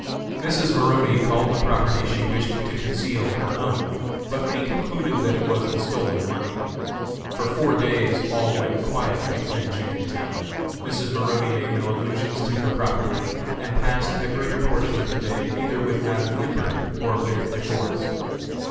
Mrs. Maroney called the property she wished to conceal her own, but we concluded that it was the stolen money. For four days all went quietly in Jenkintown; Mrs. Maroney made no allusions to her property, and passed the greater portion of the day either with Madam Imbert or with De Forest.